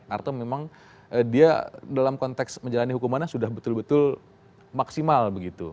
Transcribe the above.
atau memang dia dalam konteks menjalani hukumannya sudah betul betul maksimal begitu